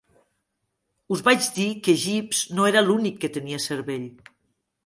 Us vaig dir que Jeeves no era l'únic que tenia cervell.